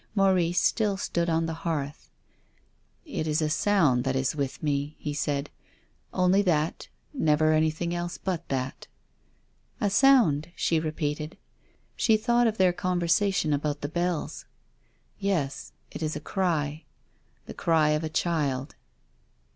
Maurice still stood on the hearth. " It is a sound that is with me," he said. " Only that ; never anything else but that." " A sound," she repeated. She thought of their conversation about the bells. " Yes, it is a cry — the cry of a child."